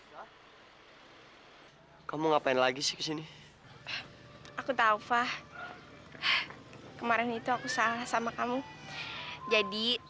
hai kamu ngapain lagi sih sini aku tahu fah kemarin itu aku salah sama kamu jadi